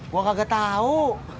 gue gak tau